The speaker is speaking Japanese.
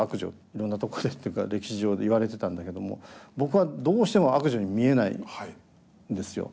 いろんなとこでっていうか歴史上でいわれてたんだけども僕はどうしても悪女に見えないんですよ。